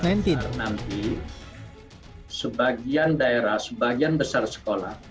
nanti sebagian daerah sebagian besar sekolah